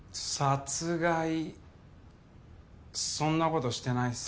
そんな事してないっす。